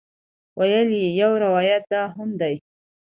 ویل یې یو روایت دا هم دی.